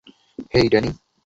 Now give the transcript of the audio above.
হেই, Danny!